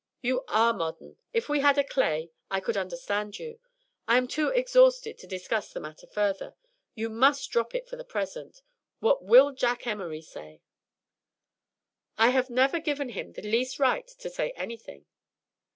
"You are modern. If we had a Clay, I could understand you I am too exhausted to discuss the matter further; you must drop it for the present. What will Jack Emory say?" "I have never given him the least right to say anything."